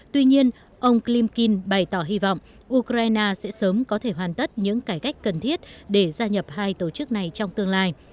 tuy nhiên ông clim kyn bày tỏ hy vọng ukraine sẽ sớm có thể hoàn tất những cải cách cần thiết để gia nhập hai tổ chức này trong tương lai